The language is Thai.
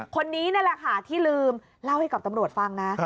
คนนี้นั่นแหละค่ะที่ลืมเล่าให้กับตำรวจฟังนะ